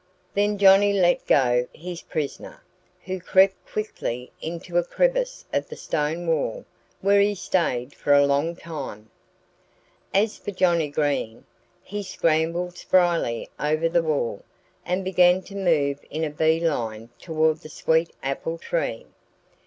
Then Johnnie let go his prisoner, who crept quickly into a crevice of the stone wall, where he stayed for a long time. As for Johnnie Green, he scrambled spryly over the wall and began to move in a bee line toward the sweet apple tree.